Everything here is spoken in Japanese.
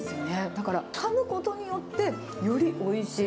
だからかむことによって、よりおいしい。